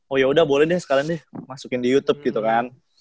oh yaudah boleh deh sekalian deh masukin di youtube gitu kan